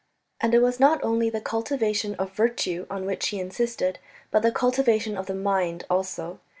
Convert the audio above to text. And it was not only the cultivation of virtue on which he insisted, but the cultivation of the mind also.